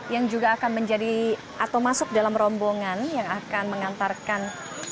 yang juga akan menjadi atau masuk dalam rombongan yang akan mengantarkan